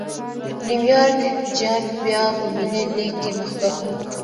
نیویارک جېانټ بیا په ملي لېګ کې مخکښ و.